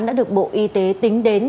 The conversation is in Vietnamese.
đã được bộ y tế tính đến